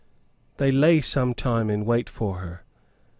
They lay some time in wait for her.